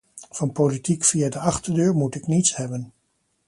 Van politiek via de achterdeur moet ik niets hebben.